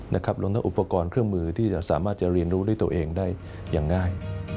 รวมทั้งอุปกรณ์เครื่องมือที่จะสามารถจะเรียนรู้ด้วยตัวเองได้อย่างง่าย